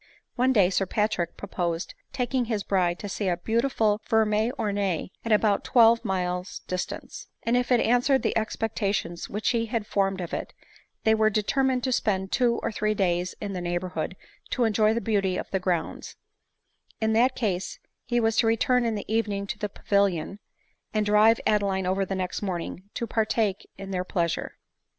One day Sir Patrick proposed taking his bride to see a beautiful ferine ornee at about twelve miles distance ; and if it answered the expectations which he had formed of it, they were determined to spend two or three days in the neighborhood to enjoy the beauty of the grounds ; in that case he was to return in the evening to the Pavil ion, and drive Adeline over the next morning to partake in their pleasure.